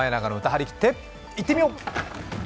張り切っていってみよう！